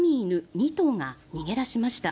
２頭が逃げ出しました。